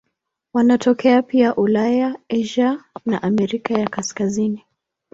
Wanatokea pia Ulaya, Asia na Amerika ya Kaskazini.